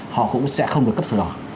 họ cũng sẽ không được cấp sở đỏ